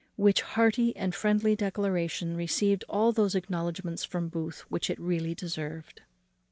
Which hearty and friendly declaration received all those acknowledgments from Booth which it really deserved.